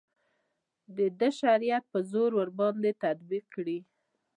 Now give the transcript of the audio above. د ده شریعت په زور ورباندې تطبیق کړي.